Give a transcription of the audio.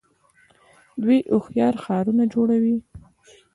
دوی هوښیار ښارونه جوړوي.